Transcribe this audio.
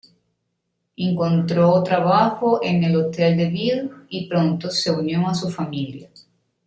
Encontró trabajo en el "Hôtel de ville", y pronto se unió a su familia.